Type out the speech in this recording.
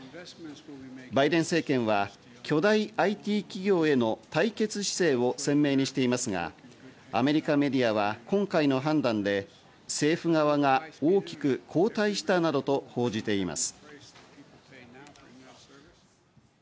バイデン政権は、巨大ＩＴ企業への対決姿勢を鮮明にしていますが、アメリカメディアは今回の判断で政府側が大きく後退したなどと報じています。